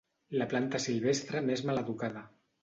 La planta silvestre més maleducada.